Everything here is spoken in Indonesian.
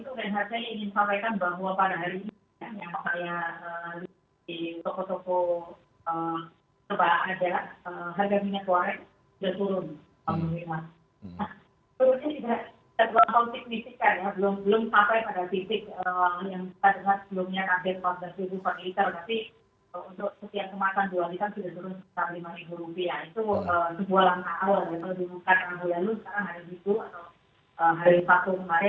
apakah ini juga masalah komunikasi politik antara presiden dengan pembantunya atau masalah komunikasi politiknya pak erlangga sendiri